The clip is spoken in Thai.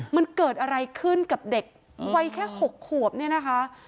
มันเกิดอะไรขึ้นกับเด็กวัยแค่๖ขวบเนี่ยนะคะ